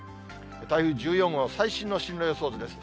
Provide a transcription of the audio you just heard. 台風１４号、最新の進路予想図です。